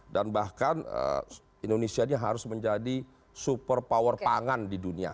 dan bahkan indonesia ini harus menjadi super power pangan di dunia